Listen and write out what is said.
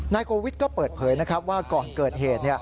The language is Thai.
โกวิทย์ก็เปิดเผยนะครับว่าก่อนเกิดเหตุ